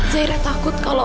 zairah takut kalau